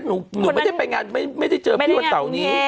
หนูไม่ได้ไปเจอเมื่อเศร้านี้